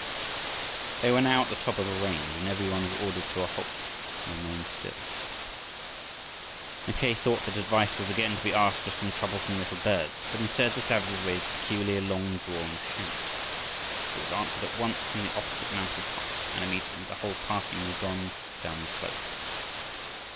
They were now at the top of a range, and every one was ordered to halt and remain silent. Mackay thought that advice was again to be asked of some troublesome little birds, but instead the savages raised a peculiar long drawn shout. It was answered at once from the opposite mountain top, and immediately the whole party moved on down the slope.